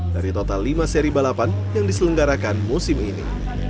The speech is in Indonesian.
dari total lima seri balapan yang diselenggarakan musim ini